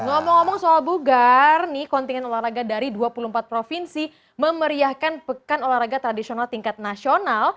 ngomong ngomong soal bugar nih kontingen olahraga dari dua puluh empat provinsi memeriahkan pekan olahraga tradisional tingkat nasional